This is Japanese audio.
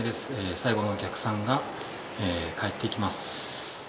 最後のお客さんが帰っていきます。